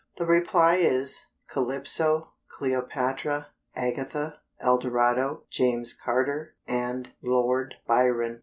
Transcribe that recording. the reply is, "Calypso, Cleopatra, Agatha, Eldorado, James Carter and Lord Byron."